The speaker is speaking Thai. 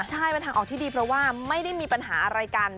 ใช่เป็นทางออกที่ดีเพราะว่าไม่ได้มีปัญหาอะไรกัน